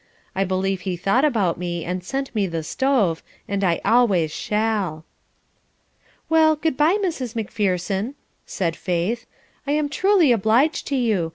I believe he thought about me and sent me the stove, and I always shall." "Well, good bye, Mrs. Macpherson," said Faith. "I am truly obliged to you.